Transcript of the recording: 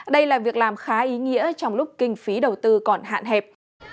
đây là việc làm khá ý nghĩa trong lúc kinh phí đầu tư còn hạn hẹp